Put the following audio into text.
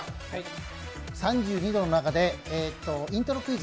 ３２度の中でイントロクイズ。